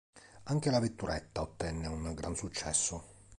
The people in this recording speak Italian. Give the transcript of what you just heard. Anche la vetturetta ottenne un gran successo.